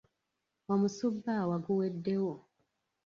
Omusubbaawa guweddewo.